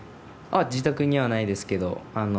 自宅にはないですけど。